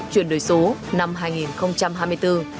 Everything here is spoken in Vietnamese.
chuyển đổi số năm hai nghìn hai mươi bốn